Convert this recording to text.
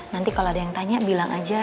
nanti kalau ada yang tanya bilang aja